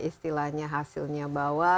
istilahnya hasilnya bahwa